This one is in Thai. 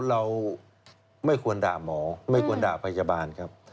เราไม่ควรด่าหมอไม่ควรด่าพยาบาลครับ